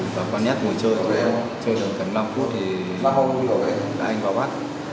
và con nhát ngồi chơi chơi được khoảng năm phút thì anh vào bắt